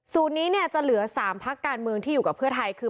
นี้เนี่ยจะเหลือ๓พักการเมืองที่อยู่กับเพื่อไทยคือ